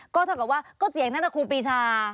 ก็เท่ากับว่าก็เสียงน่าจะครูปีชา